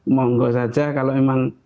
mau enggak saja kalau memang